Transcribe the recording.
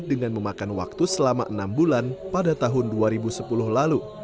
dengan memakan waktu selama enam bulan pada tahun dua ribu sepuluh lalu